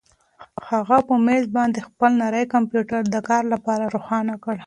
هغه په مېز باندې خپل نری کمپیوټر د کار لپاره روښانه کړ.